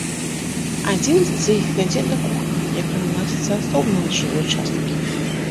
Адзін з іх вядзе да кухні, якая ладзіцца асобна ад жылой часткі.